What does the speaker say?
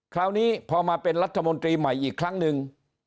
คราวนี้พอมาเป็นรัฐมนตรีใหม่อีกครั้งหนึ่ง